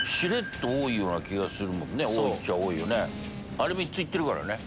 あれ３ついってるからね。